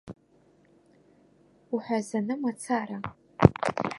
Уҳәазаны мацара.